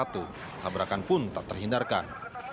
tabrakan pun tak terhindarkan